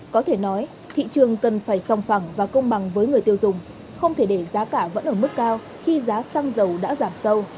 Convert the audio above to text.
có thể nói thị trường cần phải song phẳng và công bằng với người tiêu dùng không thể để giá cả vẫn ở mức cao khi giá xăng dầu đã giảm sâu